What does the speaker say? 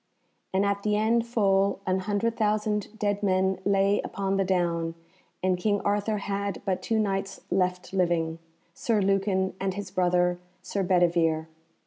And at the end full an hundred thousand dead men lay upon the down, and King Arthur had but two Knights left living, Sir Lucan and his brother Sir Bedivere.